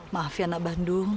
maaf ya nak bandung